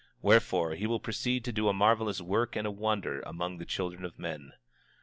Wherefore, he will proceed to do a marvelous work and a wonder among the children of men.